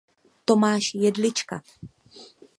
Tomáš Jedlička.